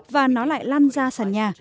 và nó lại lan ra sàn nhà